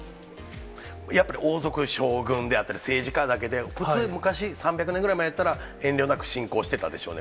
やっぱり王族、将軍であったり、政治家だけで、普通、昔、３００年ぐらい前やったら、遠慮なく侵攻してたでしょうね。